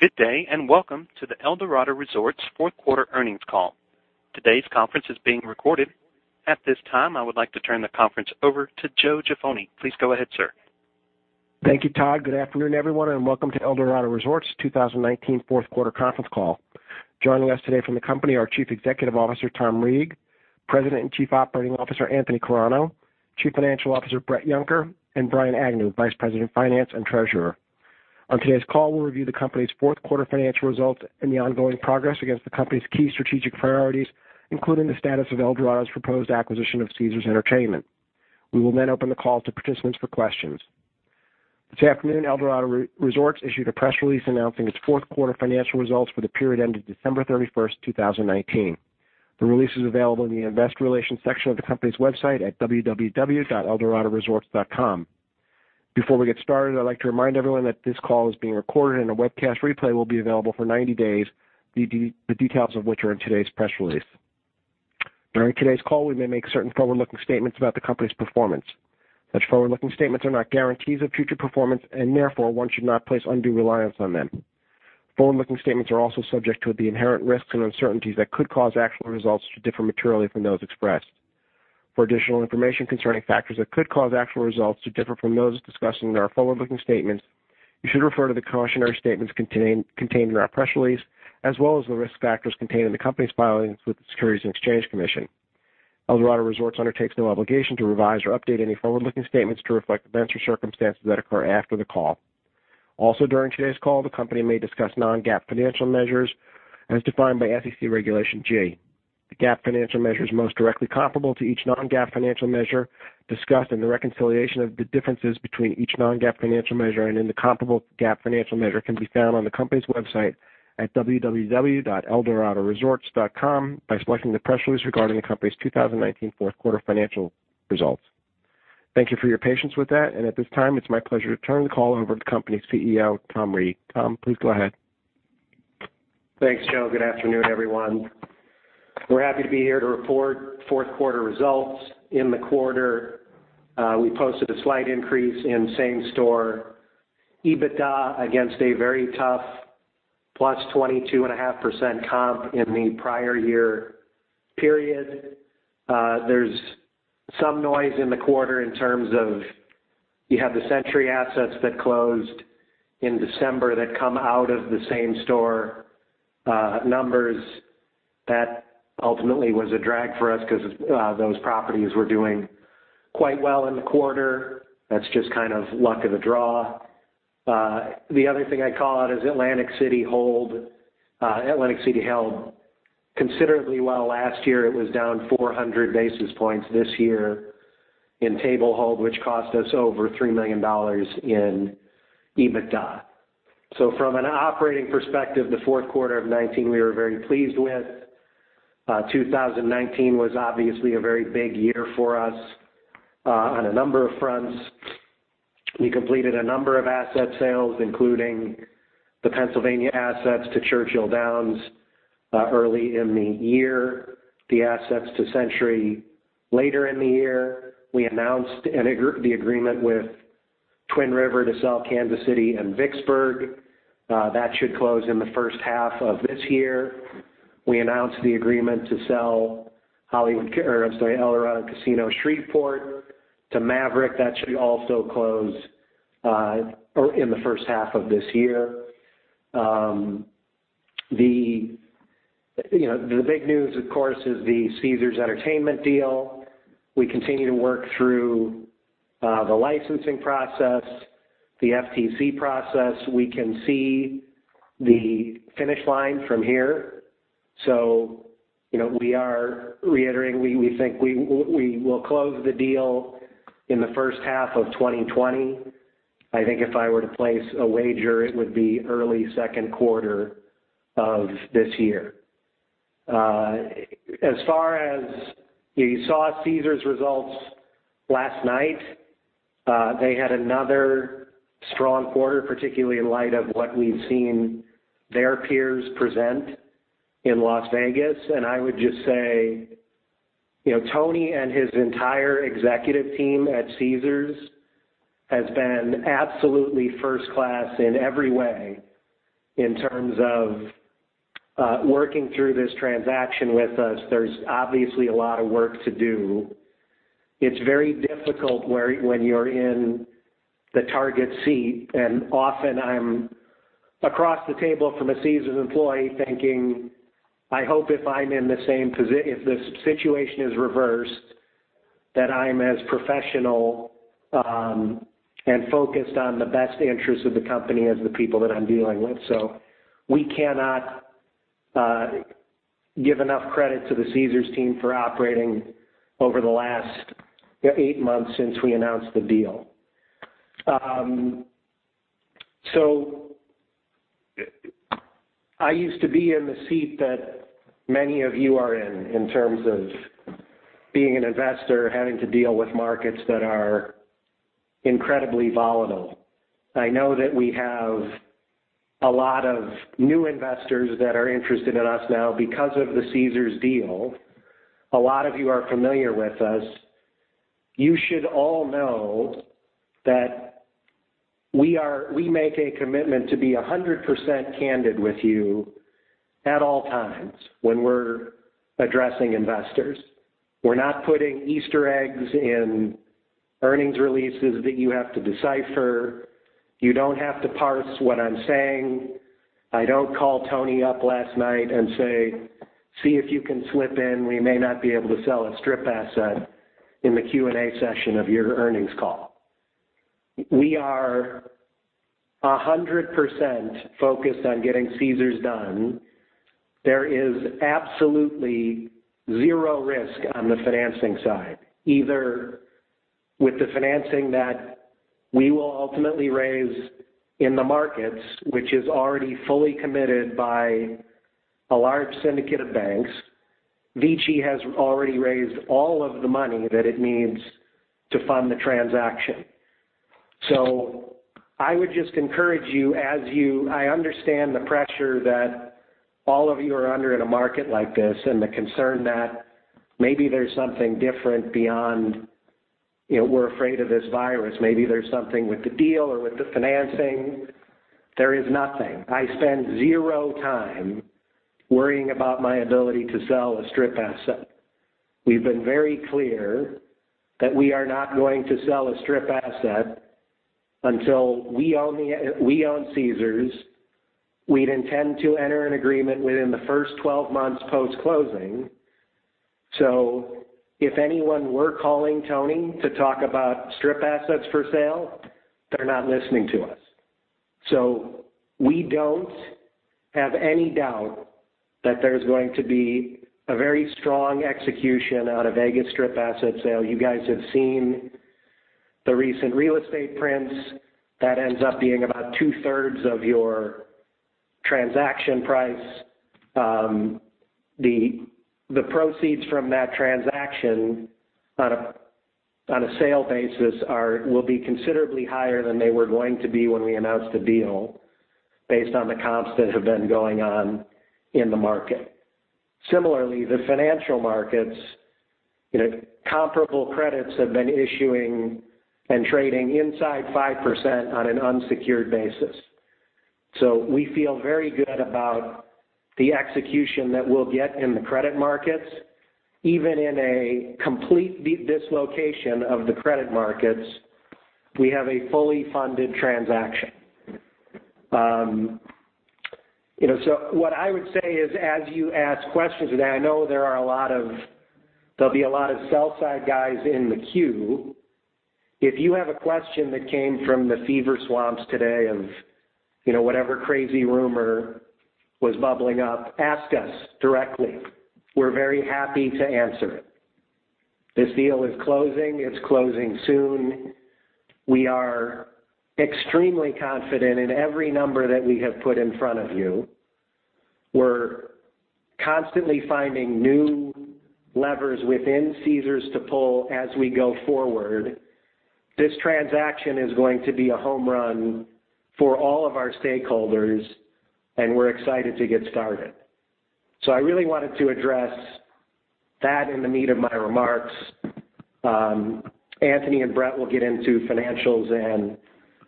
Good day, and welcome to the Eldorado Resorts fourth quarter earnings call. Today's conference is being recorded. At this time, I would like to turn the conference over to Joe Jaffoni. Please go ahead, sir. Thank you, Todd. Good afternoon, everyone, and welcome to Eldorado Resorts' 2019 fourth quarter conference call. Joining us today from the company are Chief Executive Officer, Tom Reeg, President and Chief Operating Officer, Anthony Carano, Chief Financial Officer, Bret Yunker, and Brian Agnew, Vice President of Finance and Treasurer. On today's call, we'll review the company's fourth quarter financial results and the ongoing progress against the company's key strategic priorities, including the status of Eldorado's proposed acquisition of Caesars Entertainment. We will then open the call to participants for questions. This afternoon, Eldorado Resorts issued a press release announcing its fourth quarter financial results for the period ending December 31st, 2019. The release is available in the investor relations section of the company's website at www.eldoradoresorts.com. Before we get started, I'd like to remind everyone that this call is being recorded and a webcast replay will be available for 90 days, the details of which are in today's press release. During today's call, we may make certain forward-looking statements about the company's performance. Such forward-looking statements are not guarantees of future performance and therefore, one should not place undue reliance on them. Forward-looking statements are also subject to the inherent risks and uncertainties that could cause actual results to differ materially from those expressed. For additional information concerning factors that could cause actual results to differ from those discussed in our forward-looking statements, you should refer to the cautionary statements contained in our press release, as well as the risk factors contained in the company's filings with the Securities and Exchange Commission. Eldorado Resorts undertakes no obligation to revise or update any forward-looking statements to reflect events or circumstances that occur after the call. Also, during today's call, the company may discuss non-GAAP financial measures as defined by SEC Regulation G. The GAAP financial measures most directly comparable to each non-GAAP financial measure discussed and the reconciliation of the differences between each non-GAAP financial measure and the comparable GAAP financial measure can be found on the company's website at www.eldoradoresorts.com by selecting the press release regarding the company's 2019 fourth quarter financial results. Thank you for your patience with that. At this time, it's my pleasure to turn the call over to the company's CEO, Tom Reeg. Tom, please go ahead. Thanks, Joe. Good afternoon, everyone. We're happy to be here to report fourth quarter results. In the quarter, we posted a slight increase in same-store EBITDA against a very tough +22.5% comp in the prior year period. There's some noise in the quarter in terms of you have the Century assets that closed in December that come out of the same-store numbers. That ultimately was a drag for us because those properties were doing quite well in the quarter. That's just kind of luck of the draw. The other thing I call out is Atlantic City held considerably well last year. It was down 400 basis points this year in table hold, which cost us over $3 million in EBITDA. From an operating perspective, the fourth quarter of 2019, we were very pleased with. 2019 was obviously a very big year for us on a number of fronts. We completed a number of asset sales, including the Pennsylvania assets to Churchill Downs early in the year, the assets to Century later in the year. We announced the agreement with Twin River to sell Kansas City and Vicksburg. That should close in the first half of this year. We announced the agreement to sell Eldorado Casino Shreveport to Maverick. That should also close in the first half of this year. The big news, of course, is the Caesars Entertainment deal. We continue to work through the licensing process, the FTC process. We can see the finish line from here. We are reiterating, we think we will close the deal in the first half of 2020. I think if I were to place a wager, it would be early second quarter of this year. As far as you saw Caesars results last night, they had another strong quarter, particularly in light of what we've seen their peers present in Las Vegas. I would just say, Tony and his entire executive team at Caesars has been absolutely first class in every way in terms of working through this transaction with us. There's obviously a lot of work to do. It's very difficult when you're in the target seat, and often I'm across the table from a Caesars employee thinking, I hope if this situation is reversed, that I'm as professional and focused on the best interests of the company as the people that I'm dealing with. We cannot give enough credit to the Caesars team for operating over the last eight months since we announced the deal. I used to be in the seat that many of you are in terms of being an investor, having to deal with markets that are incredibly volatile. I know that we have a lot of new investors that are interested in us now because of the Caesars deal. A lot of you are familiar with us. You should all know that we make a commitment to be 100% candid with you at all times when we're addressing investors. We're not putting Easter eggs in earnings releases that you have to decipher. You don't have to parse what I'm saying. I don't call Tony up last night and say, "See if you can slip in, we may not be able to sell a strip asset," in the Q&A session of your earnings call. We are 100% focused on getting Caesars done. There is absolutely zero risk on the financing side, either with the financing that we will ultimately raise in the markets, which is already fully committed by a large syndicate of banks. VICI has already raised all of the money that it needs to fund the transaction. I would just encourage you as I understand the pressure that all of you are under in a market like this, and the concern that maybe there's something different beyond, we're afraid of this virus. Maybe there's something with the deal or with the financing. There is nothing. I spend zero time worrying about my ability to sell a strip asset. We've been very clear that we are not going to sell a strip asset until we own Caesars. We'd intend to enter an agreement within the first 12 months post-closing. If anyone were calling Tony to talk about strip assets for sale, they're not listening to us. We don't have any doubt that there's going to be a very strong execution out of Vegas strip asset sale. You guys have seen the recent real estate prints. That ends up being about 2/3 of your transaction price. The proceeds from that transaction on a sale basis will be considerably higher than they were going to be when we announced the deal, based on the comps that have been going on in the market. Similarly, the financial markets, comparable credits have been issuing and trading inside 5% on an unsecured basis. We feel very good about the execution that we'll get in the credit markets. Even in a complete dislocation of the credit markets, we have a fully funded transaction. What I would say is, as you ask questions today, I know there'll be a lot of sell side guys in the queue. If you have a question that came from the fever swamps today of whatever crazy rumor was bubbling up, ask us directly. We're very happy to answer it. This deal is closing. It's closing soon. We are extremely confident in every number that we have put in front of you. We're constantly finding new levers within Caesars to pull as we go forward. This transaction is going to be a home run for all of our stakeholders, and we're excited to get started. I really wanted to address that in the meat of my remarks. Anthony and Bret will get into financials and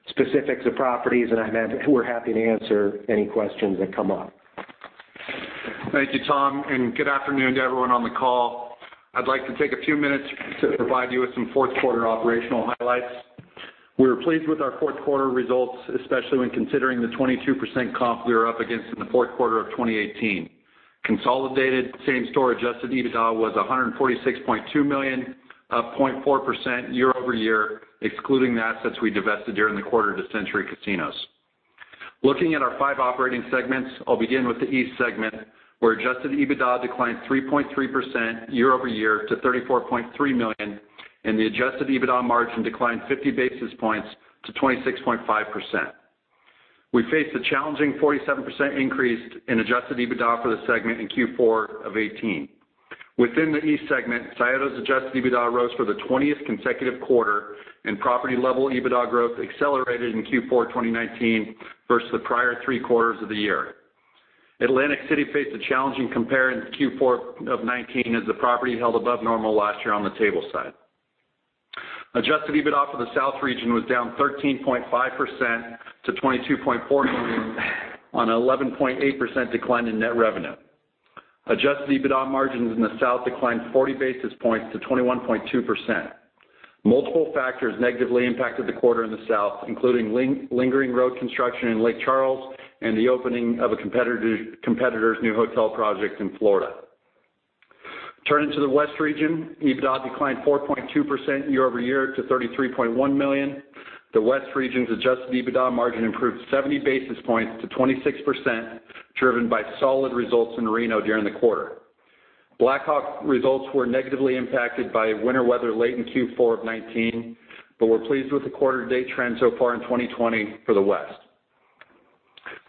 specifics of properties. I meant we're happy to answer any questions that come up. Thank you, Tom, and good afternoon to everyone on the call. I'd like to take a few minutes to provide you with some fourth quarter operational highlights. We're pleased with our fourth quarter results, especially when considering the 22% comp we were up against in the fourth quarter of 2018. Consolidated same-store adjusted EBITDA was $146.2 million, up 0.4% year-over-year, excluding the assets we divested during the quarter to Century Casinos. Looking at our five operating segments, I'll begin with the East segment, where adjusted EBITDA declined 3.3% year-over-year to $34.3 million, and the adjusted EBITDA margin declined 50 basis points to 26.5%. We faced a challenging 47% increase in adjusted EBITDA for the segment in Q4 of 2018. Within the East segment, Tioga's adjusted EBITDA rose for the 20th consecutive quarter, and property level EBITDA growth accelerated in Q4 2019 versus the prior three quarters of the year. Atlantic City faced a challenging compare in Q4 of 2019 as the property held above normal last year on the table side. Adjusted EBITDA for the South region was down 13.5% to $22.4 million on 11.8% decline in net revenue. Adjusted EBITDA margins in the South declined 40 basis points to 21.2%. Multiple factors negatively impacted the quarter in the South, including lingering road construction in Lake Charles and the opening of a competitor's new hotel project in Florida. Turning to the West region, EBITDA declined 4.2% year-over-year to $33.1 million. The West region's adjusted EBITDA margin improved 70 basis points to 26%, driven by solid results in Reno during the quarter. Black Hawk results were negatively impacted by winter weather late in Q4 of 2019, but we're pleased with the quarter to date trend so far in 2020 for the West.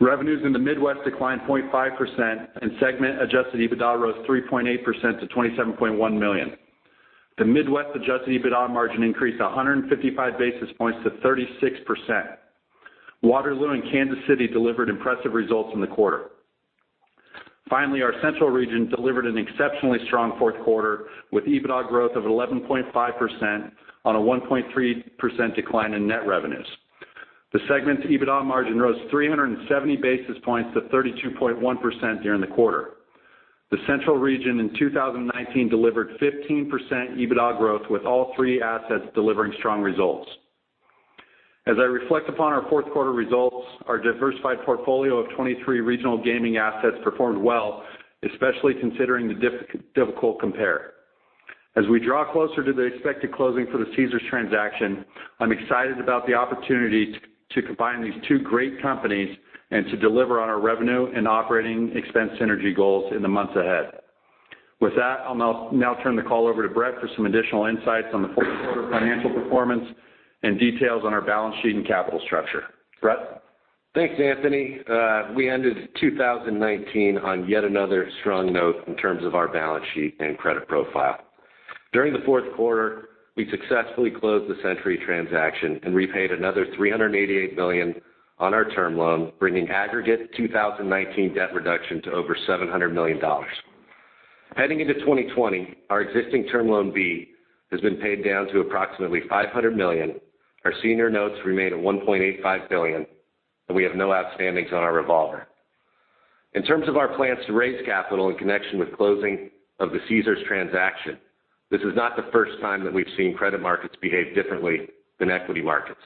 Revenues in the Midwest declined 0.5%, and segment adjusted EBITDA rose 3.8% to $27.1 million. The Midwest adjusted EBITDA margin increased 155 basis points to 36%. Waterloo and Kansas City delivered impressive results in the quarter. Finally, our Central region delivered an exceptionally strong fourth quarter, with EBITDA growth of 11.5% on a 1.3% decline in net revenues. The segment's EBITDA margin rose 370 basis points to 32.1% during the quarter. The Central region in 2019 delivered 15% EBITDA growth, with all three assets delivering strong results. As I reflect upon our fourth quarter results, our diversified portfolio of 23 regional gaming assets performed well, especially considering the difficult compare. As we draw closer to the expected closing for the Caesars transaction, I'm excited about the opportunity to combine these two great companies and to deliver on our revenue and operating expense synergy goals in the months ahead. With that, I'll now turn the call over to Bret for some additional insights on the fourth quarter financial performance and details on our balance sheet and capital structure. Bret? Thanks, Anthony. We ended 2019 on yet another strong note in terms of our balance sheet and credit profile. During the fourth quarter, we successfully closed the Century transaction and repaid another $388 million on our term loan, bringing aggregate 2019 debt reduction to over $700 million. Heading into 2020, our existing Term Loan B has been paid down to approximately $500 million. Our senior notes remain at $1.85 billion, and we have no outstandings on our revolver. In terms of our plans to raise capital in connection with closing of the Caesars transaction, this is not the first time that we've seen credit markets behave differently than equity markets.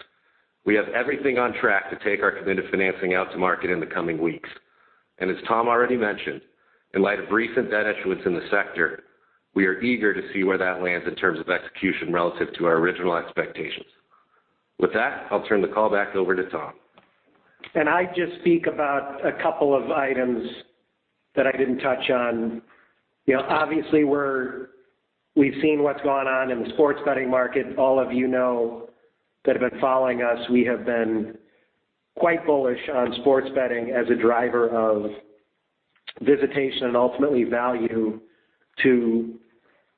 We have everything on track to take our committed financing out to market in the coming weeks. As Tom already mentioned, in light of recent debt issuance in the sector, we are eager to see where that lands in terms of execution relative to our original expectations. With that, I'll turn the call back over to Tom. I'd just speak about a couple of items that I didn't touch on. Obviously, we've seen what's gone on in the sports betting market. All of you know that have been following us, we have been quite bullish on sports betting as a driver of visitation and ultimately value to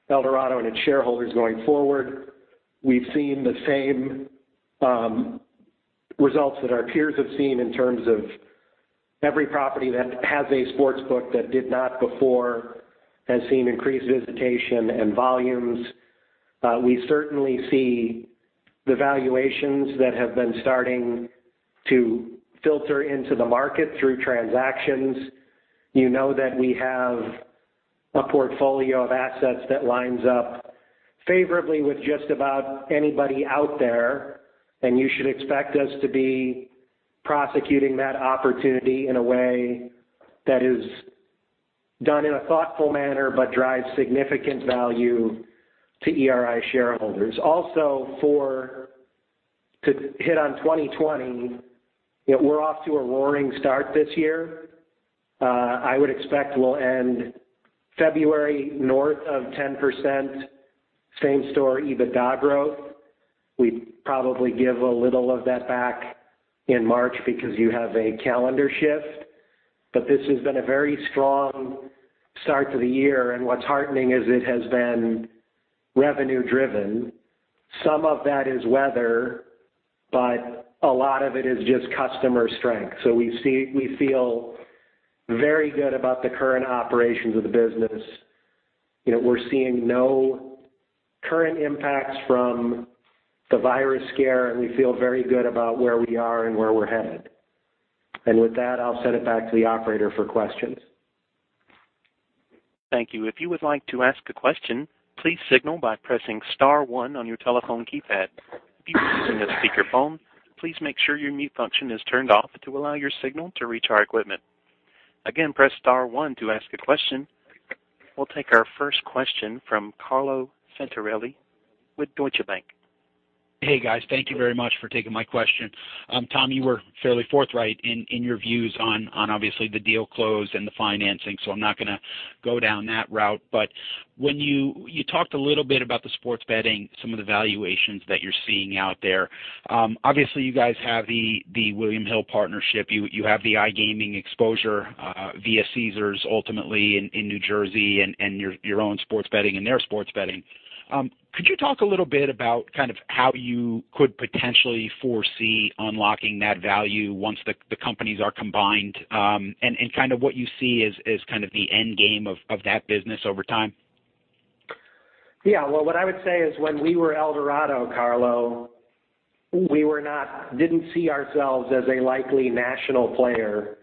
Eldorado and its shareholders going forward. We've seen the same results that our peers have seen in terms of every property that has a sportsbook that did not before, has seen increased visitation and volumes. We certainly see the valuations that have been starting to filter into the market through transactions. You know that we have a portfolio of assets that lines up favorably with just about anybody out there, and you should expect us to be prosecuting that opportunity in a way that is done in a thoughtful manner, but drives significant value to ERI shareholders. To hit on 2020, we're off to a roaring start this year. I would expect we'll end February north of 10%, same story, EBITDA growth. We'd probably give a little of that back in March because you have a calendar shift. This has been a very strong start to the year, and what's heartening is it has been revenue-driven. Some of that is weather, but a lot of it is just customer strength. We feel very good about the current operations of the business. We're seeing no current impacts from the virus scare, and we feel very good about where we are and where we're headed. With that, I'll send it back to the operator for questions. Thank you. If you would like to ask a question, please signal by pressing star one on your telephone keypad. If you are using a speakerphone, please make sure your mute function is turned off to allow your signal to reach our equipment. Again, press star one to ask a question. We'll take our first question from Carlo Santarelli with Deutsche Bank. Hey, guys. Thank you very much for taking my question. Tom, you were fairly forthright in your views on, obviously, the deal closed and the financing, I'm not going to go down that route. You talked a little bit about the sports betting, some of the valuations that you're seeing out there. Obviously, you guys have the William Hill partnership. You have the iGaming exposure via Caesars, ultimately in New Jersey and your own sports betting and their sports betting. Could you talk a little bit about how you could potentially foresee unlocking that value once the companies are combined, and what you see as the end game of that business over time? Well, what I would say is when we were Eldorado, Carlo, we didn't see ourselves as a likely national player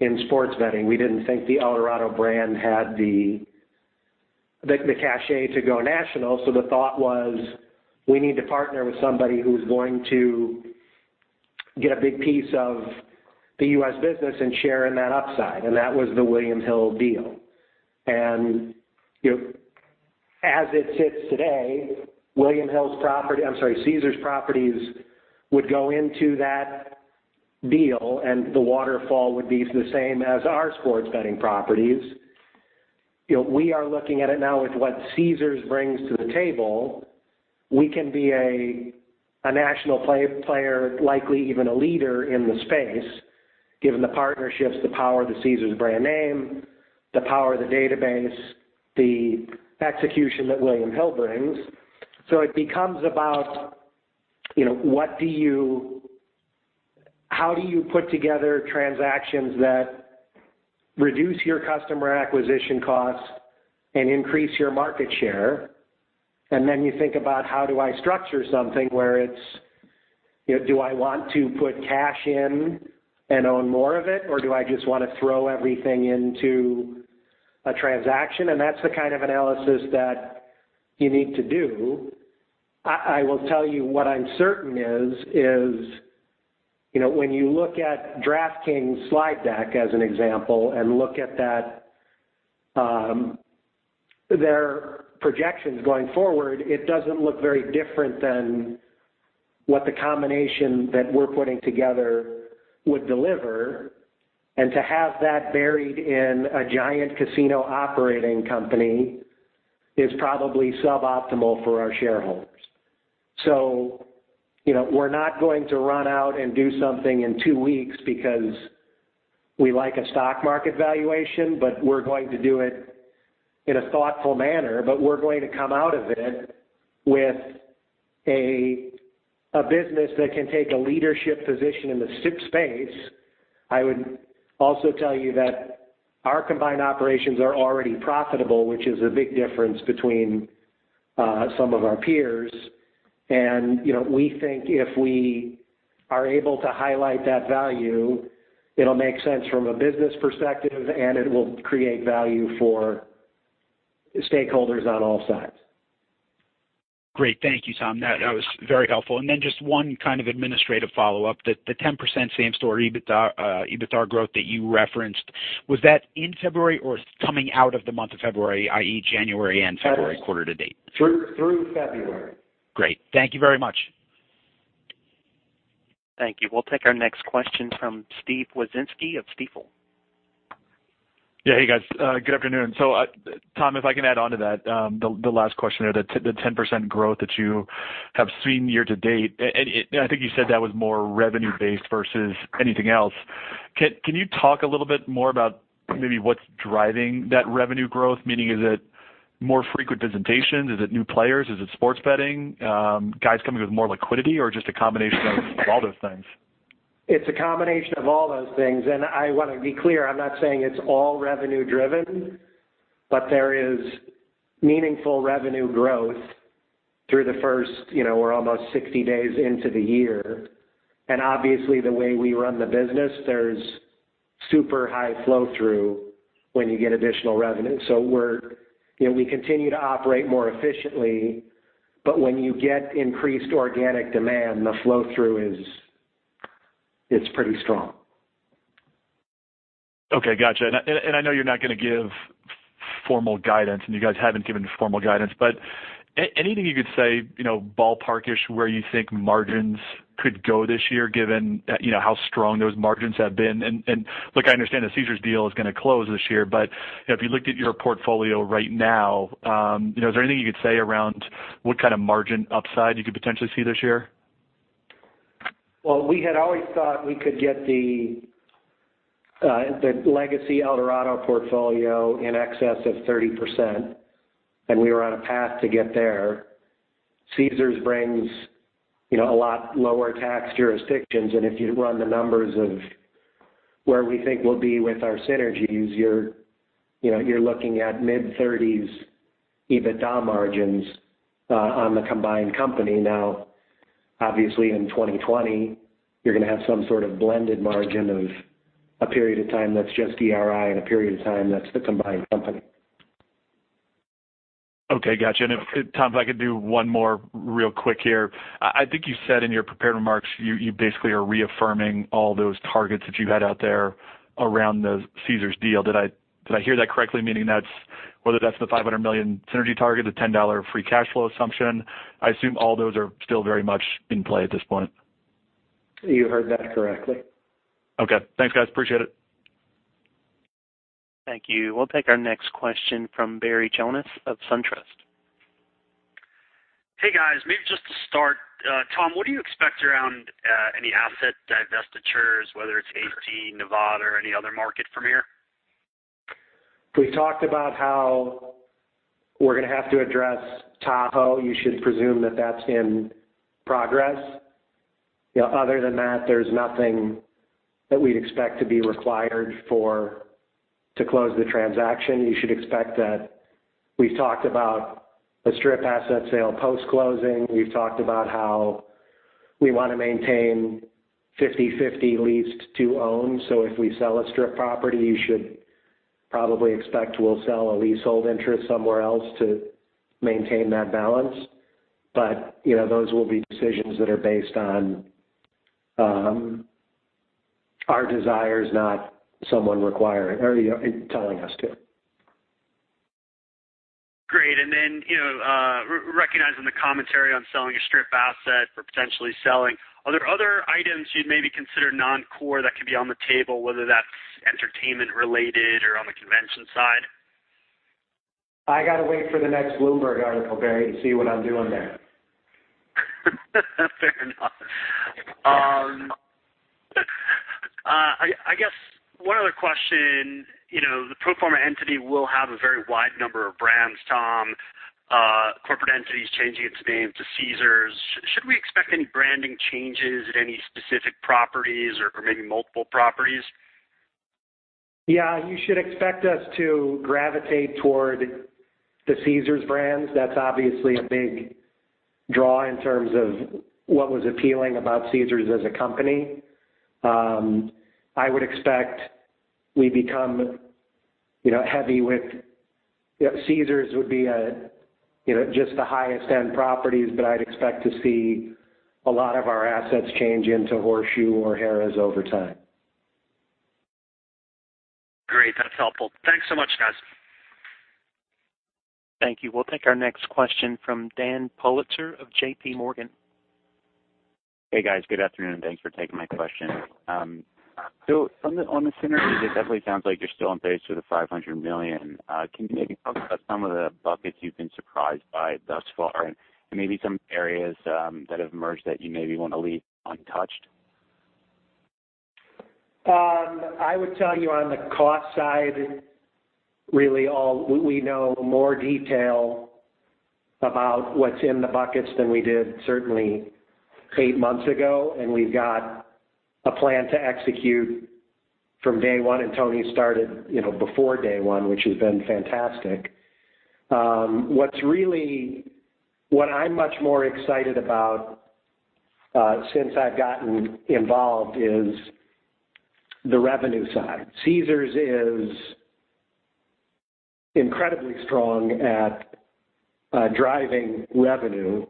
in sports betting. We didn't think the Eldorado brand had the cachet to go national. The thought was, we need to partner with somebody who's going to get a big piece of the U.S. business and share in that upside. That was the William Hill deal. As it sits today, Caesars properties would go into that deal, and the waterfall would be the same as our sports betting properties. We are looking at it now with what Caesars brings to the table. We can be a national player, likely even a leader in the space, given the partnerships, the power of the Caesars brand name, the power of the database, the execution that William Hill brings. It becomes about how do you put together transactions that reduce your customer acquisition costs and increase your market share? Then you think about how do I structure something where it's, do I want to put cash in and own more of it, or do I just want to throw everything into a transaction? That's the kind of analysis that you need to do. I will tell you what I'm certain is, when you look at DraftKings' slide deck as an example, and look at their projections going forward, it doesn't look very different than what the combination that we're putting together would deliver. To have that buried in a giant casino operating company is probably suboptimal for our shareholders. We're not going to run out and do something in two weeks because we like a stock market valuation, but we're going to do it in a thoughtful manner. We're going to come out of it with a business that can take a leadership position in the sports space. I would also tell you that our combined operations are already profitable, which is a big difference between some of our peers. We think if we are able to highlight that value, it'll make sense from a business perspective, and it will create value for stakeholders on all sides. Great. Thank you, Tom. That was very helpful. Just one kind of administrative follow-up. The 10% same-store EBITDA growth that you referenced, was that in February or coming out of the month of February, i.e., January and February quarter to date? Through February. Great. Thank you very much. Thank you. We'll take our next question from Steve Wieczynski of Stifel. Yeah. Hey, guys. Good afternoon. Tom, if I can add onto that, the last question there, the 10% growth that you have seen year to date, and I think you said that was more revenue-based versus anything else. Can you talk a little bit more about maybe what's driving that revenue growth? Meaning, is it more frequent visitations? Is it new players? Is it sports betting? Guys coming with more liquidity, or just a combination of all those things? It's a combination of all those things, and I want to be clear, I'm not saying it's all revenue driven, but there is meaningful revenue growth through the first, we're almost 60 days into the year. Obviously, the way we run the business, there's super high flow-through when you get additional revenue. We continue to operate more efficiently, but when you get increased organic demand, the flow-through is pretty strong. Okay, got you. I know you're not going to give formal guidance, you guys haven't given formal guidance, anything you could say, ballpark-ish, where you think margins could go this year given how strong those margins have been. Look, I understand the Caesars deal is going to close this year, if you looked at your portfolio right now, is there anything you could say around what kind of margin upside you could potentially see this year? Well, we had always thought we could get the legacy Eldorado portfolio in excess of 30%. We were on a path to get there. Caesars brings a lot lower tax jurisdictions. If you run the numbers of where we think we'll be with our synergies, you're looking at mid-30s EBITDA margins on the combined company. Now, obviously, in 2020, you're going to have some sort of blended margin of a period of time that's just ERI and a period of time that's the combined company. Okay, got you. If, Tom, if I could do one more real quick here. I think you said in your prepared remarks, you basically are reaffirming all those targets that you had out there around the Caesars deal. Did I hear that correctly? Meaning whether that's the $500 million synergy target, the $10 free cash flow assumption. I assume all those are still very much in play at this point. You heard that correctly. Okay. Thanks, guys. Appreciate it. Thank you. We'll take our next question from Barry Jonas of SunTrust. Hey, guys. Maybe just to start, Tom, what do you expect around any asset divestitures, whether it's AC, Nevada, or any other market from here? We talked about how we're going to have to address Tahoe. You should presume that that's in progress. Other than that, there's nothing that we'd expect to be required to close the transaction. You should expect that we've talked about a strip asset sale post-closing. We've talked about how we want to maintain 50/50 leased to owned. If we sell a strip property, you should probably expect we'll sell a leasehold interest somewhere else to maintain that balance. Those will be decisions that are based on our desires, not someone requiring or telling us to. Great, recognizing the commentary on selling a strip asset or potentially selling, are there other items you'd maybe consider non-core that could be on the table, whether that's entertainment related or on the convention side? I got to wait for the next Bloomberg article, Barry, to see what I'm doing there. Fair enough. I guess one other question. The pro forma entity will have a very wide number of brands, Tom. Corporate entity's changing its name to Caesars. Should we expect any branding changes at any specific properties or maybe multiple properties? Yeah. You should expect us to gravitate toward the Caesars brands. That's obviously a big draw in terms of what was appealing about Caesars as a company. I would expect we become Caesars would be just the highest-end properties, but I'd expect to see a lot of our assets change into Horseshoe or Harrah's over time. Great. That's helpful. Thanks so much, guys. Thank you. We'll take our next question from Dan Politzer of JPMorgan. Hey, guys. Good afternoon. Thanks for taking my question. On the synergies, it definitely sounds like you're still on pace for the $500 million. Can you maybe talk about some of the buckets you've been surprised by thus far, and maybe some areas that have emerged that you maybe want to leave untouched? I would tell you on the cost side, really all we know more detail about what's in the buckets than we did certainly eight months ago. We've got a plan to execute from day one. Tony started before day one, which has been fantastic. What I'm much more excited about since I've gotten involved is the revenue side. Caesars is incredibly strong at driving revenue,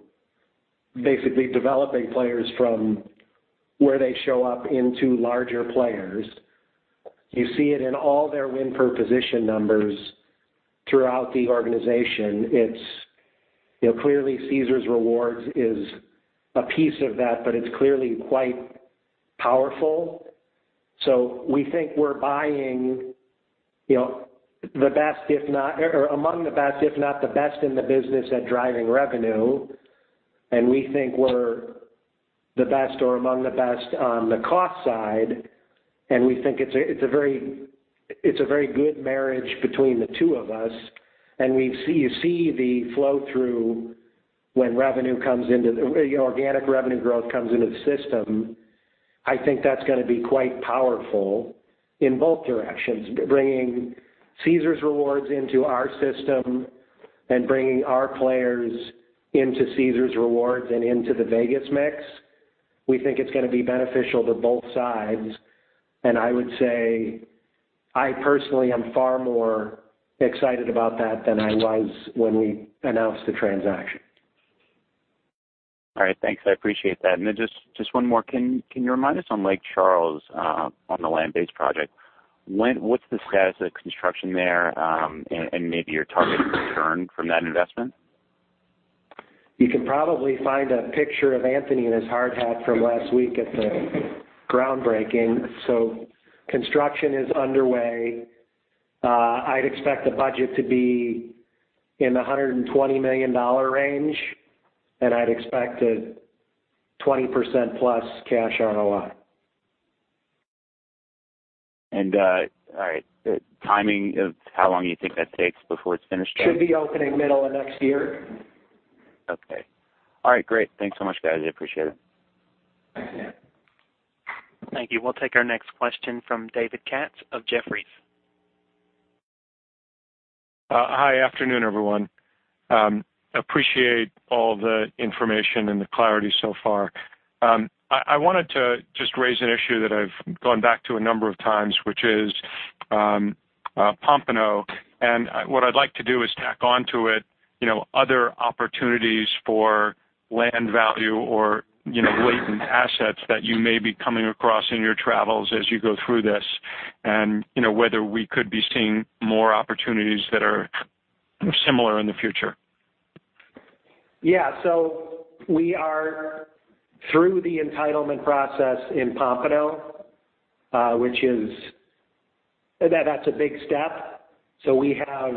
basically developing players from where they show up into larger players. You see it in all their win per position numbers throughout the organization. Clearly, Caesars Rewards is a piece of that. It's clearly quite powerful. We think we're buying among the best, if not the best in the business at driving revenue. We think we're the best or among the best on the cost side. We think it's a very good marriage between the two of us, and we see the flow-through when organic revenue growth comes into the system. I think that's going to be quite powerful in both directions, bringing Caesars Rewards into our system and bringing our players into Caesars Rewards and into the Vegas mix. We think it's going to be beneficial to both sides. I would say I personally am far more excited about that than I was when we announced the transaction. All right. Thanks. I appreciate that. Just one more. Can you remind us on Lake Charles, on the land-based project, what's the status of construction there? Maybe your target return from that investment? You can probably find a picture of Anthony in his hard hat from last week at the groundbreaking. Construction is underway. I'd expect the budget to be in the $120 million range, and I'd expect a 20%+ cash ROI. All right. The timing of how long you think that takes before it's finished? Should be opening middle of next year. Okay. All right. Great. Thanks so much, guys. I appreciate it. Thanks, Dan. Thank you. We'll take our next question from David Katz of Jefferies. Hi. Afternoon, everyone. Appreciate all the information and the clarity so far. I wanted to just raise an issue that I've gone back to a number of times, which is Pompano. What I'd like to do is tack onto it other opportunities for land value or latent assets that you may be coming across in your travels as you go through this and whether we could be seeing more opportunities that are similar in the future. We are through the entitlement process in Pompano. That's a big step. We have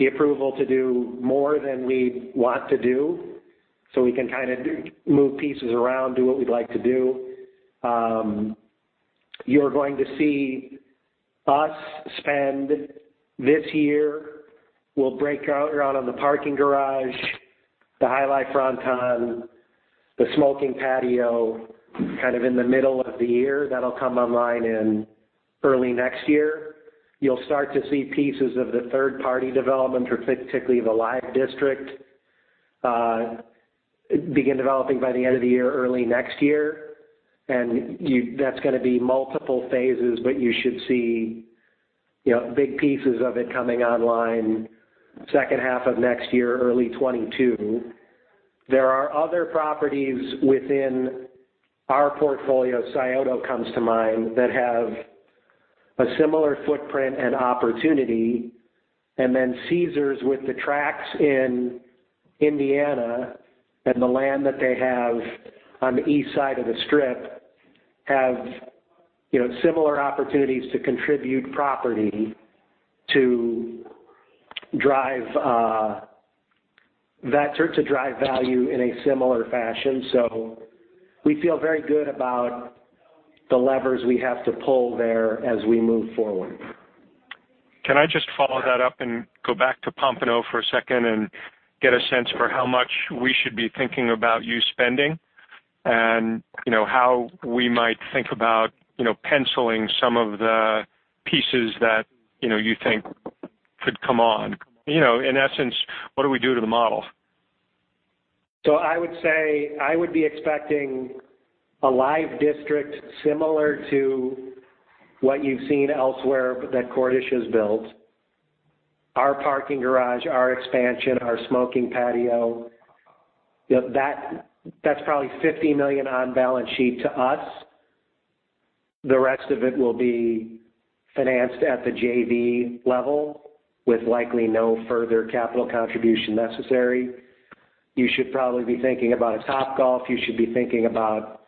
the approval to do more than we want to do, so we can kind of move pieces around, do what we'd like to do. You're going to see us spend this year. We'll break ground on the parking garage, the jai alai fronton, the smoking patio, kind of in the middle of the year. That'll come online in early next year. You'll start to see pieces of the third-party development, particularly the Live! District, begin developing by the end of the year, early next year. That's going to be multiple phases, but you should see big pieces of it coming online second half of next year, early 2022. There are other properties within our portfolio, Scioto comes to mind, that have a similar footprint and opportunity, and then Caesars with the tracks in Indiana and the land that they have on the east side of the Strip have similar opportunities to contribute property. That starts to drive value in a similar fashion. We feel very good about the levers we have to pull there as we move forward. Can I just follow that up and go back to Pompano for a second and get a sense for how much we should be thinking about you spending? How we might think about penciling some of the pieces that you think could come on. In essence, what do we do to the model? I would say, I would be expecting a Live! District similar to what you've seen elsewhere that Cordish has built. Our parking garage, our expansion, our smoking patio, that's probably $50 million on balance sheet to us. The rest of it will be financed at the JV level with likely no further capital contribution necessary. You should probably be thinking about a Topgolf. You should be thinking about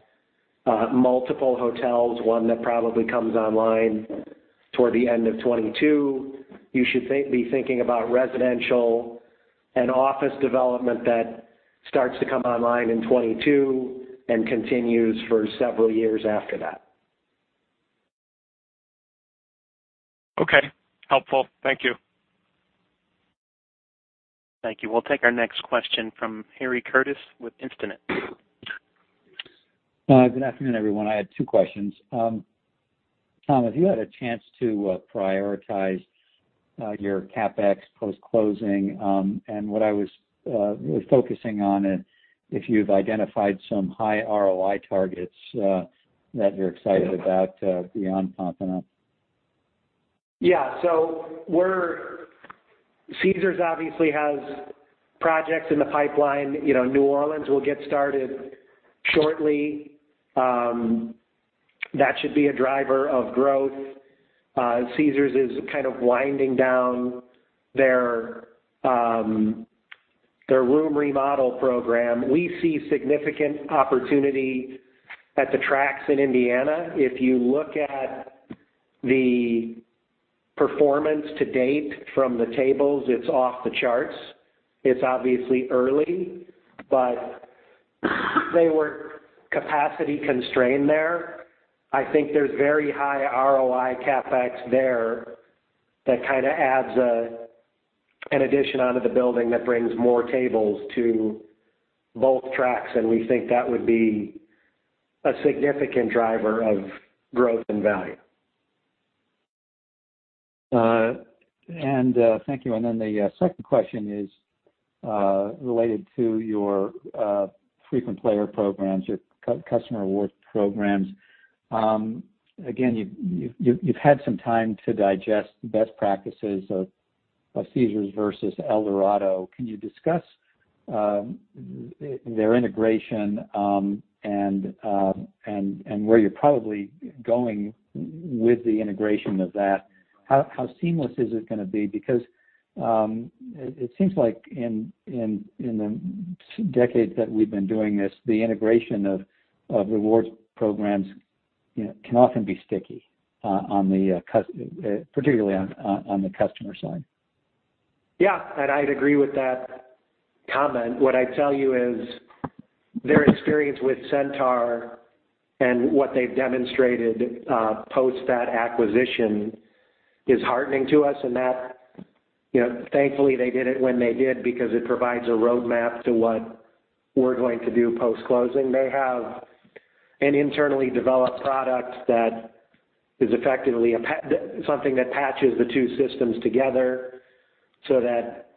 multiple hotels, one that probably comes online toward the end of 2022. You should be thinking about residential and office development that starts to come online in 2022 and continues for several years after that. Okay. Helpful. Thank you. Thank you. We'll take our next question from Harry Curtis with Instinet. Good afternoon, everyone. I had two questions. Tom, have you had a chance to prioritize your CapEx post-closing? What I was really focusing on, and if you've identified some high ROI targets that you're excited about beyond Pompano? Caesars obviously has projects in the pipeline. New Orleans will get started shortly. That should be a driver of growth. Caesars is kind of winding down their room remodel program. We see significant opportunity at the tracks in Indiana. If you look at the performance to date from the tables, it's off the charts. It's obviously early, but they were capacity constrained there. I think there's very high ROI CapEx there that kind of adds an addition onto the building that brings more tables to both tracks, and we think that would be a significant driver of growth and value. Thank you. The second question is related to your frequent player programs, your customer rewards programs. Again, you've had some time to digest best practices of Caesars versus Eldorado. Can you discuss their integration and where you're probably going with the integration of that? How seamless is it going to be? It seems like in the decades that we've been doing this, the integration of rewards programs can often be sticky, particularly on the customer side. Yeah. I'd agree with that comment. What I'd tell you is their experience with Centaur and what they've demonstrated post that acquisition is heartening to us, and that thankfully they did it when they did because it provides a roadmap to what we're going to do post-closing. They have an internally developed product that is effectively something that patches the two systems together so that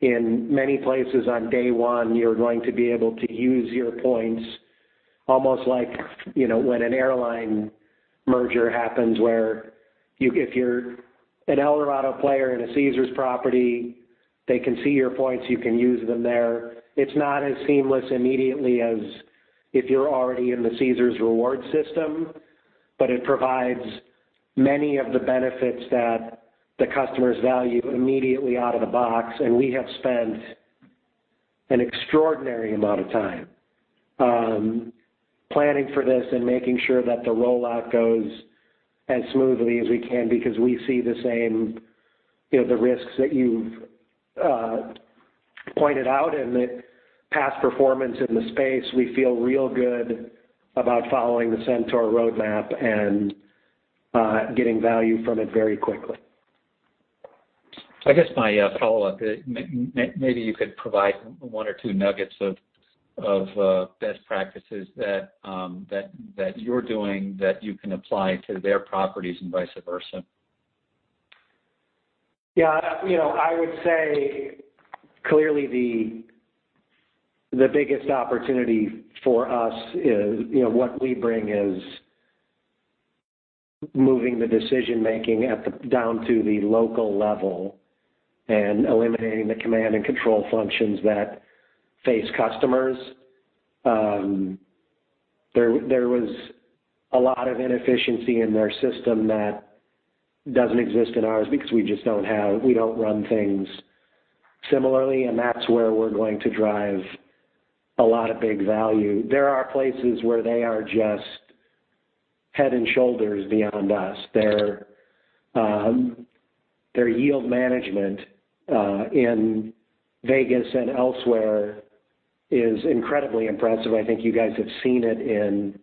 in many places on day one, you're going to be able to use your points almost like when an airline merger happens where if you're an Eldorado player in a Caesars property, they can see your points, you can use them there. It's not as seamless immediately as if you're already in the Caesars Rewards system, but it provides many of the benefits that the customers value immediately out of the box. We have spent an extraordinary amount of time planning for this and making sure that the rollout goes as smoothly as we can because we see the same risks that you've pointed out in the past performance in the space. We feel real good about following the Centaur roadmap and getting value from it very quickly. I guess my follow-up, maybe you could provide one or two nuggets of best practices that you're doing that you can apply to their properties and vice versa. Yeah. I would say clearly the biggest opportunity for us is what we bring is moving the decision-making down to the local level and eliminating the command and control functions that face customers. There was a lot of inefficiency in their system that doesn't exist in ours because we don't run things similarly, and that's where we're going to drive a lot of big value. There are places where they are just head and shoulders beyond us. Their yield management, in Vegas and elsewhere is incredibly impressive. I think you guys have seen it in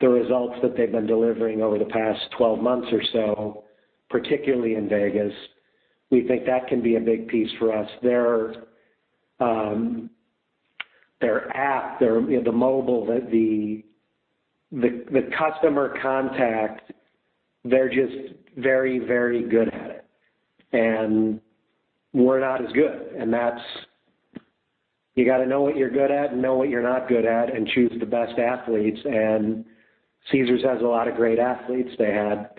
the results that they've been delivering over the past 12 months or so, particularly in Vegas. We think that can be a big piece for us. Their app, the mobile, the customer contact, they're just very good at it. We're not as good. You got to know what you're good at and know what you're not good at and choose the best athletes. Caesars has a lot of great athletes. They had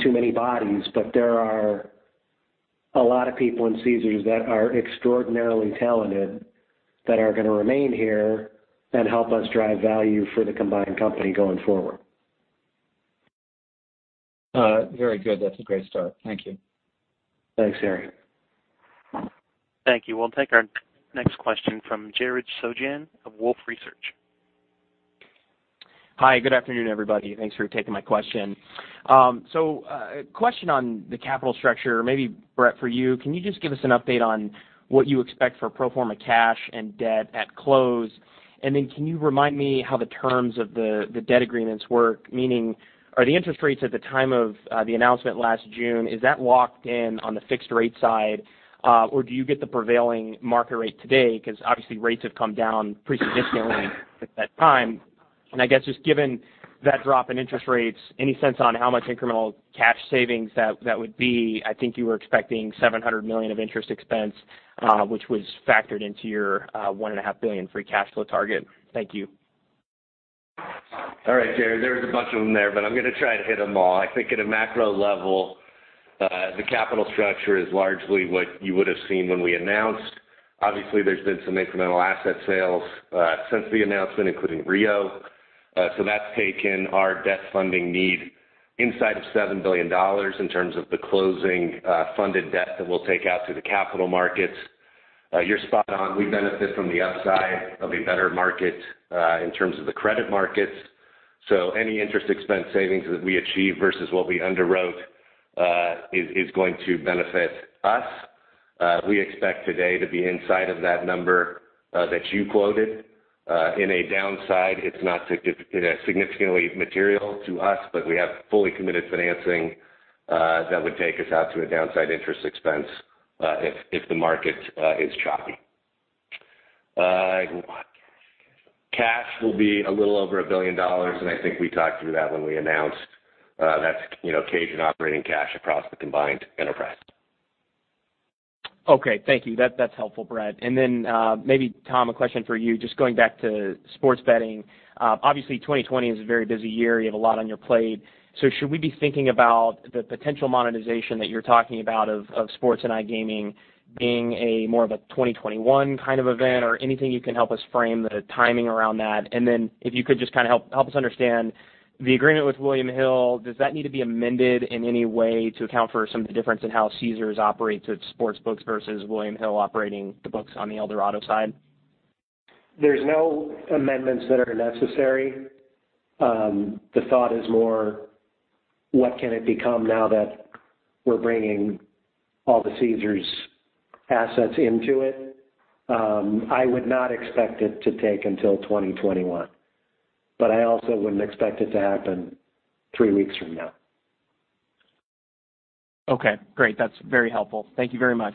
too many bodies, but there are a lot of people in Caesars that are extraordinarily talented that are going to remain here and help us drive value for the combined company going forward. Very good. That's a great start. Thank you. Thanks, Harry. Thank you. We'll take our next question from Jared Shojaian of Wolfe Research. Hi, good afternoon, everybody. Thanks for taking my question. A question on the capital structure, maybe Bret for you. Can you just give us an update on what you expect for pro forma cash and debt at close? Can you remind me how the terms of the debt agreements work? Meaning, are the interest rates at the time of the announcement last June, is that locked in on the fixed rate side? Do you get the prevailing market rate today? Obviously rates have come down pretty significantly since that time. I guess just given that drop in interest rates, any sense on how much incremental cash savings that would be? I think you were expecting $700 million of interest expense, which was factored into your $1.5 billion free cash flow target. Thank you. All right, Jared. There was a bunch of them there, but I'm going to try to hit them all. I think at a macro level, the capital structure is largely what you would've seen when we announced. Obviously, there's been some incremental asset sales since the announcement, including Rio. That's taken our debt funding need inside of $7 billion in terms of the closing funded debt that we'll take out through the capital markets. You're spot on. We benefit from the upside of a better market, in terms of the credit markets. Any interest expense savings that we achieve versus what we underwrote is going to benefit us. We expect today to be inside of that number that you quoted. In a downside, it's not significantly material to us, but we have fully committed financing that would take us out to a downside interest expense if the market is choppy. Cash will be a little over $1 billion, and I think we talked through that when we announced. That's cage and operating cash across the combined enterprise. Okay. Thank you. That's helpful, Bret. Then, maybe Tom, a question for you, just going back to sports betting. Obviously 2020 is a very busy year. You have a lot on your plate. Should we be thinking about the potential monetization that you're talking about of sports and iGaming being a more of a 2021 kind of event? Anything you can help us frame the timing around that. Then if you could just kind of help us understand the agreement with William Hill. Does that need to be amended in any way to account for some of the difference in how Caesars operates its sports books versus William Hill operating the books on the Eldorado side? There's no amendments that are necessary. The thought is more what can it become now that we're bringing all the Caesars assets into it? I would not expect it to take until 2021, but I also wouldn't expect it to happen three weeks from now. Okay, great. That's very helpful. Thank you very much.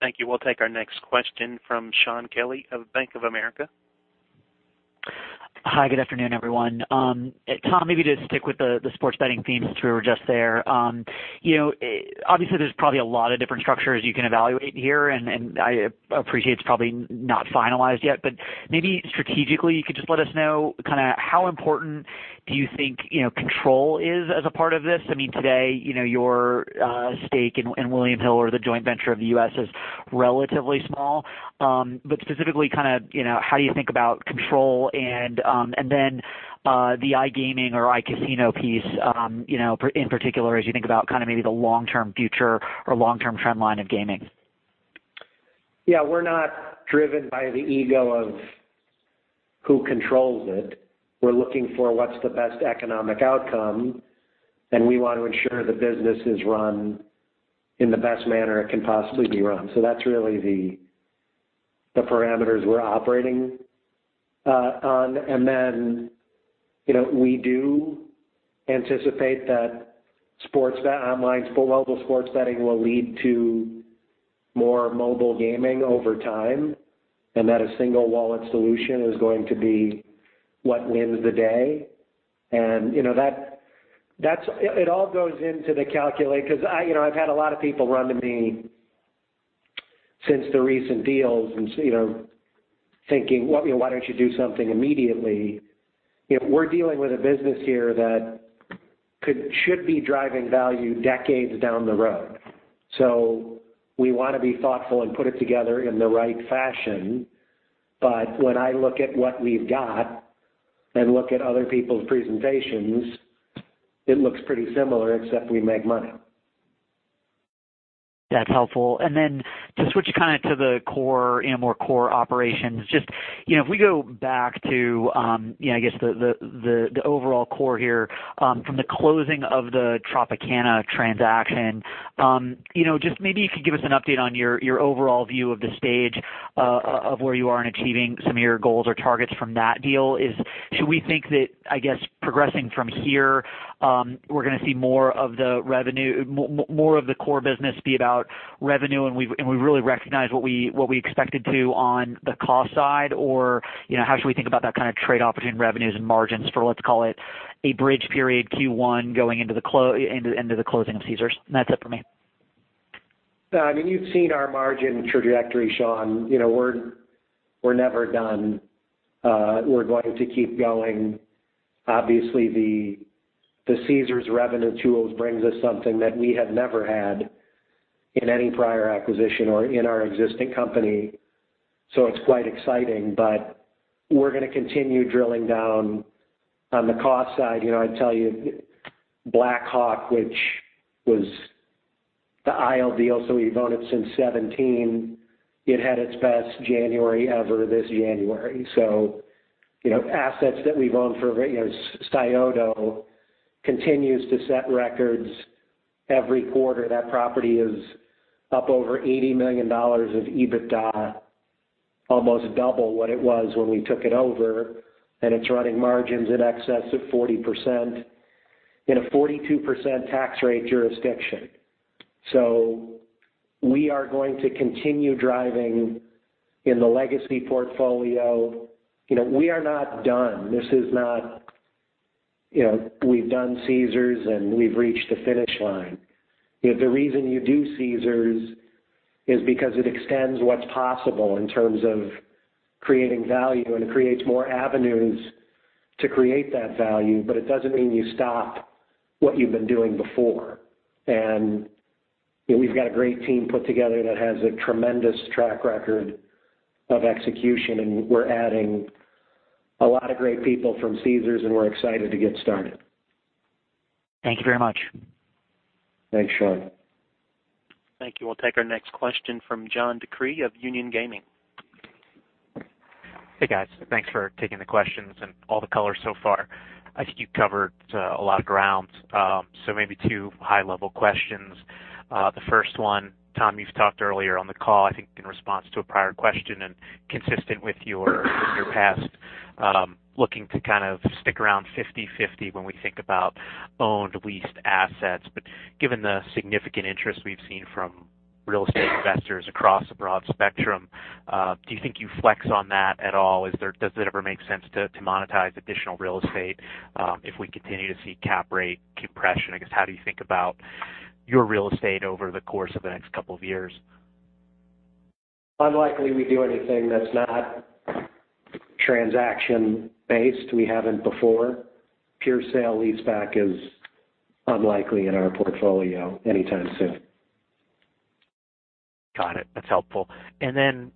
Thank you. We'll take our next question from Shaun Kelley of Bank of America. Hi, good afternoon, everyone. Tom, maybe to stick with the sports betting theme since we were just there. Obviously, there's probably a lot of different structures you can evaluate here, and I appreciate it's probably not finalized yet. Maybe strategically, you could just let us know how important do you think control is as a part of this? I mean, today, your stake in William Hill or the joint venture of the U.S. is relatively small. Specifically, how do you think about control and then the iGaming or iCasino piece in particular as you think about maybe the long-term future or long-term trend line of gaming? Yeah. We're not driven by the ego of who controls it. We're looking for what's the best economic outcome, and we want to ensure the business is run in the best manner it can possibly be run. That's really the parameters we're operating on. We do anticipate that online global sports betting will lead to more mobile gaming over time, and that a single wallet solution is going to be what wins the day. It all goes into the calculation because I've had a lot of people run to me since the recent deals and thinking, "Well, why don't you do something immediately?" We're dealing with a business here that should be driving value decades down the road. We want to be thoughtful and put it together in the right fashion. When I look at what we've got and look at other people's presentations, it looks pretty similar except we make money. That's helpful. Then to switch to the more core operations, if we go back to the overall core here, from the closing of the Tropicana transaction, just maybe if you could give us an update on your overall view of the stage of where you are in achieving some of your goals or targets from that deal. Should we think that, I guess, progressing from here, we're going to see more of the core business be about revenue, and we really recognize what we expect to do on the cost side, or how should we think about that kind of trade-off between revenues and margins for, let's call it, a bridge period Q1 going into the closing of Caesars? That's it for me. You've seen our margin trajectory, Shaun. We're never done. We're going to keep going. Obviously, the Caesars revenue tools brings us something that we have never had in any prior acquisition or in our existing company. It's quite exciting, but we're going to continue drilling down on the cost side. I'd tell you, Black Hawk, which was the Isle deal, so we've owned it since 2017. It had its best January ever this January. Assets that we've owned for. Scioto continues to set records every quarter. That property is up over $80 million of EBITDA, almost double what it was when we took it over, and it's running margins in excess of 40% in a 42% tax rate jurisdiction. We are going to continue driving in the legacy portfolio. We are not done. This is not, we've done Caesars and we've reached the finish line. The reason you do Caesars is because it extends what's possible in terms of creating value and creates more avenues to create that value, but it doesn't mean you stop what you've been doing before. We've got a great team put together that has a tremendous track record of execution, and we're adding a lot of great people from Caesars, and we're excited to get started. Thank you very much. Thanks, Shaun. Thank you. We'll take our next question from John DeCree of Union Gaming. Hey, guys. Thanks for taking the questions and all the color so far. I think you've covered a lot of ground. Maybe two high-level questions. The first one, Tom, you've talked earlier on the call, I think in response to a prior question and consistent with your past, looking to kind of stick around 50/50 when we think about owned, leased assets. Given the significant interest we've seen from real estate investors across a broad spectrum, do you think you flex on that at all? Does it ever make sense to monetize additional real estate if we continue to see cap rate compression? I guess, how do you think about your real estate over the course of the next couple of years? Unlikely we do anything that's not transaction based. We haven't before. Pure sale lease back is unlikely in our portfolio anytime soon. Got it. That's helpful. Then,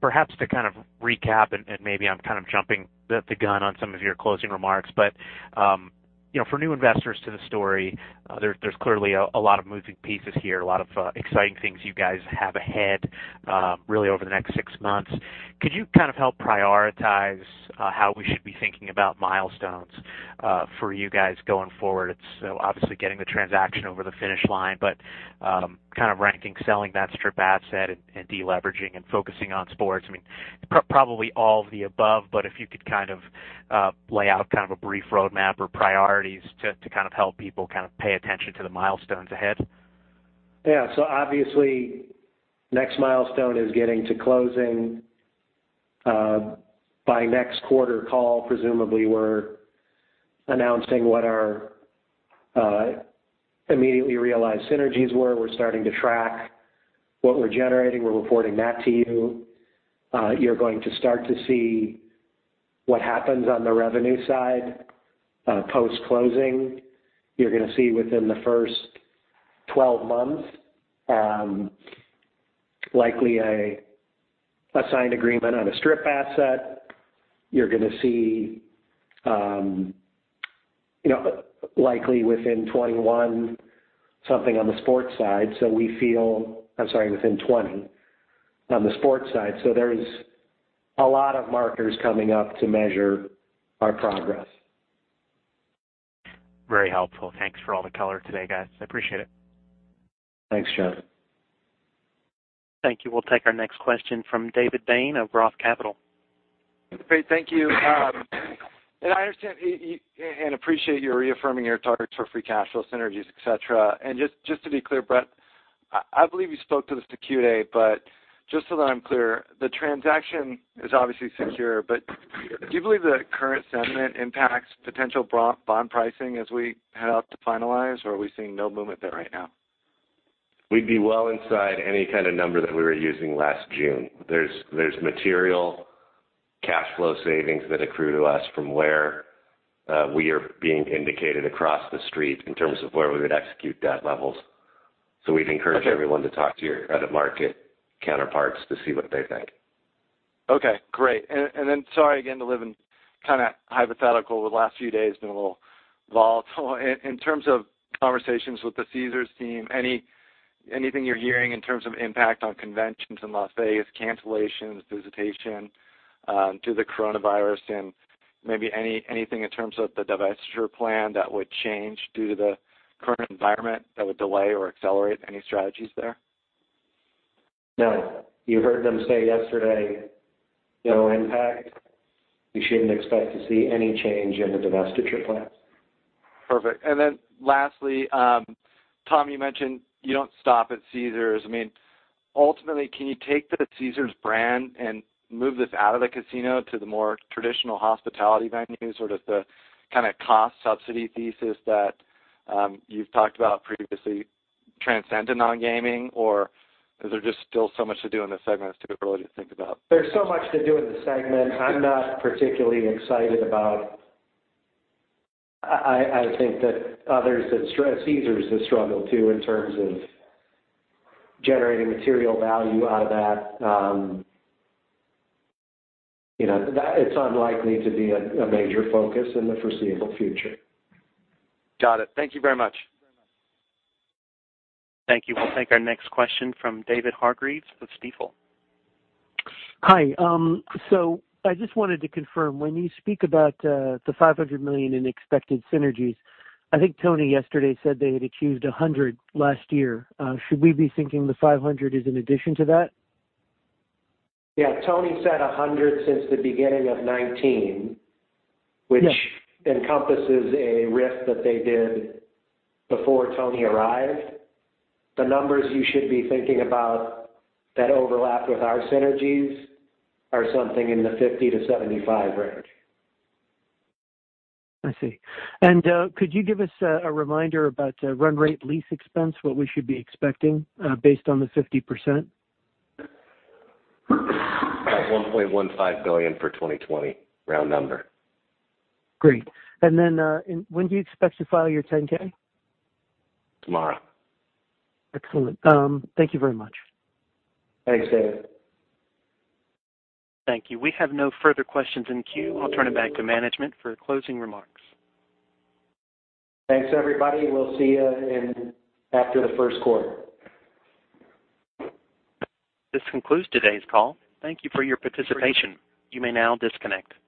perhaps to kind of recap, and maybe I'm kind of jumping the gun on some of your closing remarks, but for new investors to the story, there's clearly a lot of moving pieces here, a lot of exciting things you guys have ahead really over the next six months. Could you kind of help prioritize how we should be thinking about milestones for you guys going forward? It's obviously getting the transaction over the finish line, but kind of ranking selling that strip asset and de-leveraging and focusing on sports. Probably all of the above, but if you could lay out a brief roadmap or priorities to help people pay attention to the milestones ahead. Obviously, next milestone is getting to closing. By next quarter call, presumably, we're announcing what our immediately realized synergies were. We're starting to track what we're generating. We're reporting that to you. You're going to start to see what happens on the revenue side post-closing. You're going to see within the first 12 months, likely a signed agreement on a strip asset. You're going to see, likely within 2021, something on the sports side. I'm sorry, within 2020, on the sports side. There is a lot of markers coming up to measure our progress. Very helpful. Thanks for all the color today, guys. I appreciate it. Thanks, John. Thank you. We'll take our next question from David Bain of ROTH Capital. Great. Thank you. I understand and appreciate you reaffirming your targets for free cash flow synergies, et cetera. Just to be clear, Bret, I believe you spoke to this at Q&A, but just so that I'm clear, the transaction is obviously secure, but do you believe the current sentiment impacts potential bond pricing as we head out to finalize, or are we seeing no movement there right now? We'd be well inside any kind of number that we were using last June. There's material cash flow savings that accrue to us from where we are being indicated across the street in terms of where we would execute debt levels. We'd encourage everyone to talk to your credit market counterparts to see what they think. Okay, great. Sorry again to live in kind of hypothetical with last few days been a little volatile, in terms of conversations with the Caesars team, anything you're hearing in terms of impact on conventions in Las Vegas, cancellations, visitation, due to the coronavirus, and maybe anything in terms of the divestiture plan that would change due to the current environment that would delay or accelerate any strategies there? No. You heard them say yesterday, no impact. You shouldn't expect to see any change in the divestiture plans. Perfect. Lastly, Tom, you mentioned you don't stop at Caesars. Ultimately, can you take the Caesars brand and move this out of the casino to the more traditional hospitality venues, sort of the kind of cost subsidy thesis that you've talked about previously transcending on gaming, or is there just still so much to do in this segment it's too early to think about? There's so much to do in the segment. I'm not particularly excited about. Caesars has struggled too, in terms of generating material value out of that. It's unlikely to be a major focus in the foreseeable future. Got it. Thank you very much. Thank you. We'll take our next question from David Hargreaves with Stifel. Hi. I just wanted to confirm, when you speak about the $500 million in expected synergies, I think Tony yesterday said they had achieved $100 million last year. Should we be thinking the $500 million is in addition to that? Yeah, Tony said $100 million since the beginning of 2019. Yeah. Which encompasses a RIF that they did before Tony arrived. The numbers you should be thinking about that overlap with our synergies are something in the $50 million-$75 million range. I see. Could you give us a reminder about run rate lease expense, what we should be expecting based on the 50%? About $1.15 billion for 2020. Round number. Great. When do you expect to file your 10-K? Tomorrow. Excellent. Thank you very much. Thanks, David. Thank you. We have no further questions in queue. I'll turn it back to management for closing remarks. Thanks, everybody. We'll see you after the first quarter. This concludes today's call. Thank you for your participation. You may now disconnect.